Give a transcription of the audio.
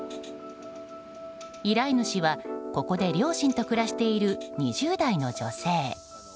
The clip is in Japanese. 依頼主は、ここで両親と暮らしている２０代の女性。